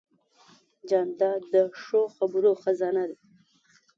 جانداد د ښو خبرو خزانه ده.